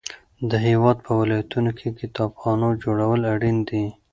د هیواد په ولایتونو کې کتابخانو جوړول اړین دي.